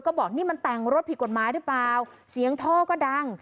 ก็บอกนี่มันแต่งรถผิดกฎหมายหรือเปล่าเสียงท่อก็ดัง